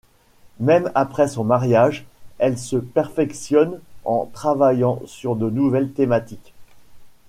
Même après son mariage, elle se perfectionne en travaillant sur de nouvelles thématiques.